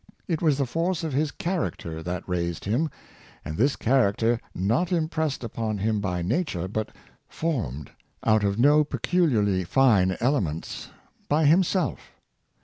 It was the force of his char ' acter that raised him; and this character not impressed upon him by nature, but formed, out of no peculiarly fine elements, by himself.